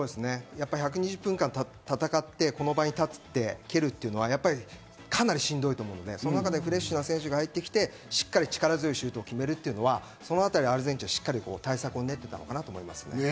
１２０分間戦って、この場で蹴るってのは、かなりしんどいと思うので、フレッシュな選手が入ってきて、しっかり力強いシュート決めるっていうのはアルゼンチンは対策を練っていたのかなって思います。